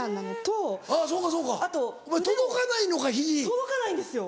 届かないんですよ。